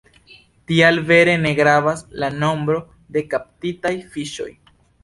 Tial vere ne gravas la nombro de kaptitaj fiŝoj.